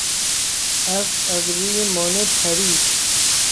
اسب از روی مانع پرید.